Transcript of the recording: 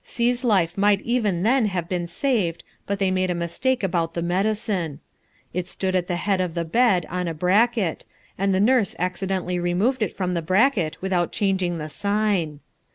C's life might even then have been saved but they made a mistake about the medicine. It stood at the head of the bed on a bracket, and the nurse accidentally removed it from the bracket without changing the sign.